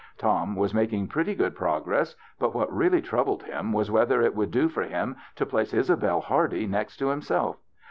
Tom was making pretty good progress, but what really troubled him was whether it would do for him to place Isabelle Hardy next to him self.